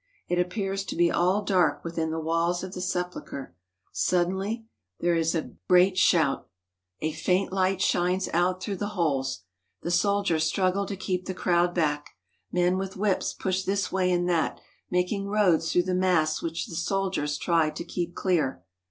It appears to be all dark within the walls of the Sepulchre. Suddenly there is a great 99 THE HOLY LAND AND SYRIA shout. A faint light shines out through the holes. The soldiers struggle to keep the crowd back. Men with whips push this way and that, making roads through the mass which the soldiers try to keep clear.